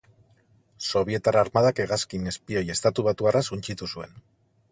Sobietar armadak hegazkin espioi estatubatuarra suntsitu zuen.